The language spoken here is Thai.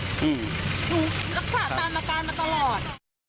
หนูรักษาตามอาการมาตลอด